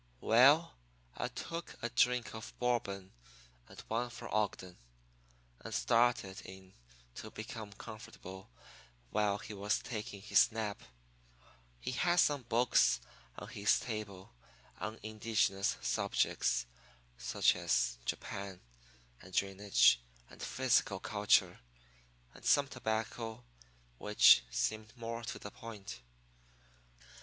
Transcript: "Well, I took a drink of Bourbon and one for Ogden, and started in to be comfortable while he was taking his nap. He had some books on his table on indigenous subjects, such as Japan and drainage and physical culture and some tobacco, which seemed more to the point.